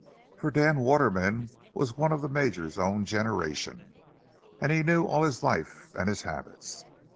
For Dan Waterman was one of the Major's own generation, and he knew all his life and his habits.